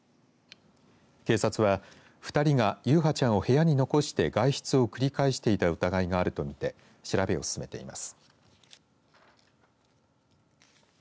警察は２人が優陽ちゃんを部屋に残して外出を繰り返していた疑いがあるとみて調べを進めています。